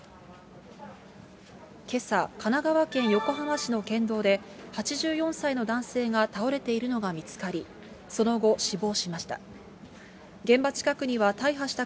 けさ、神奈川県横浜市の県道で、８４歳の男性が倒れているのが見つかり、その後、死亡しました。